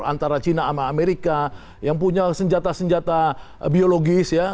antara china sama amerika yang punya senjata senjata biologis ya